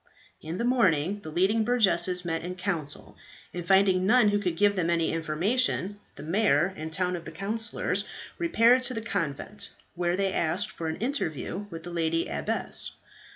In the morning the leading burgesses met in council, and finding none who could give them any information, the mayor and two of the councillors repaired to the convent, where they asked for an interview with the lady abbess.